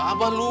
abah lupa mi